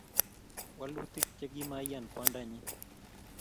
wolutik chekimaiyan kwandanyin